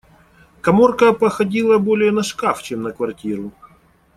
Каморка походила более на шкаф, чем на квартиру.